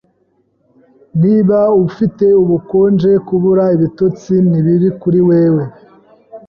Niba ufite ubukonje, kubura ibitotsi nibibi kuri wewe.